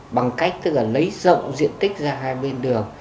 bằng cách tức là lấy rộng diện tích ra hai bên đường